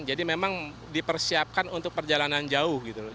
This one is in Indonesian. jadi memang dipersiapkan untuk perjalanan jauh gitu loh